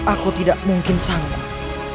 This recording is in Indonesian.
aku tidak mungkin sanggup